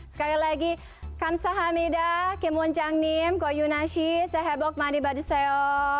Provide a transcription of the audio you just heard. sekali lagi kamsahamida kemunjangnim koyunasih sehebok maadibaduseyo